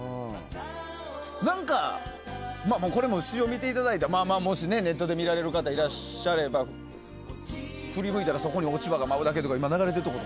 何かこれも詞を見ていただいたらもしネットで見られる方いらっしゃったら「振り向いたらそこに落ち葉が舞うだけ」とかね。